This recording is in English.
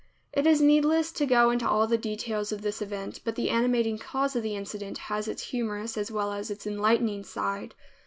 It is needless to go into all the details of this event but the animating cause of the incident has its humorous as well as its enlightening side.